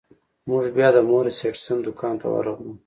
موږ بیا د مورس هډسن دکان ته ورغلو.